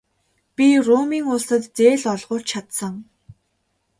Би Румын улсад зээл олгуулж чадсан.